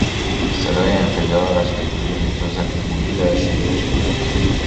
صدای انفجار از لولهی اگزوز اتومبیلش شنیده شد.